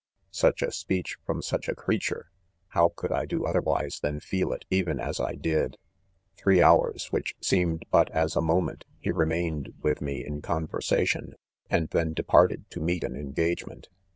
5 ' Such' a speech from such a crea ture !— how ; gouM . I do otherwise than feel it even as I did I .* Three : .hours, which seemed hut as a mo > ment, he remained, with me, in conversa tion, and then departed to meet an engage ment.